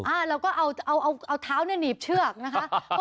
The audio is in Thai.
อ้าแล้วก็เอาเท้านี่หนีบเชือกนะคะ